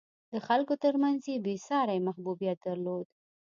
د خلکو ترمنځ یې بېساری محبوبیت درلود.